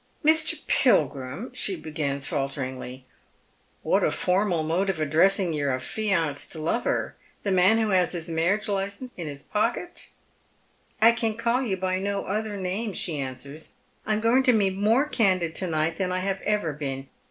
" Mr. Pilgrim," she begins falteringly. " What a formal mode of addressing your affianced lover — the man who has his marriage licence in liis pocket !"*' I can call you by no other name," she answers. " I am going to be more candid to night than I have ever been.